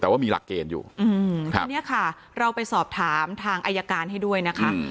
แต่ว่ามีหลักเกณฑ์อยู่อืมทีนี้ค่ะเราไปสอบถามทางอายการให้ด้วยนะคะ